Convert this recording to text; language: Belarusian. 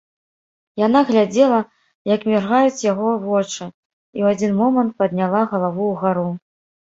Яна глядзела, як міргаюць яго вочы, і ў адзін момант падняла галаву ўгару.